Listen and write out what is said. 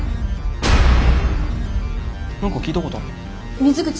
何か聞いたことある。